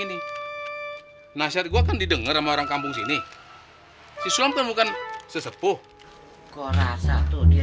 ini nasihat gua kan didengar sama orang kampung sini siswa bukan sesepuh kau rasa tuh dia